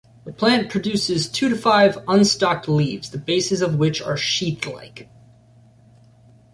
The plant produces two to five unstalked leaves, the bases of which are sheath-like.